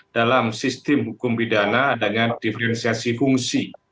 dalam sistem hukum pidana adanya diferensiasi fungsi